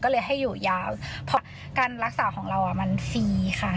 ก็เลยให้อยู่ยาวเพราะการรักษาของเรามันฟรีค่ะ